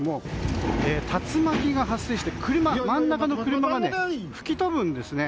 竜巻が発生して真ん中の車が吹き飛ぶんですね。